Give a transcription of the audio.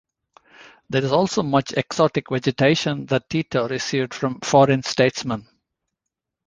There is also much exotic vegetation that Tito received from foreign statesmen.